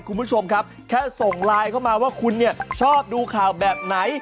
คุณผู้ชมครับแค่ส่งไลน์เข้ามาว่าคุณเนี่ยชอบดูข่าวแบบไหน